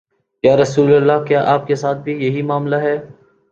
یا رسول اللہ، کیا آپ کے ساتھ بھی یہی معا ملہ ہے؟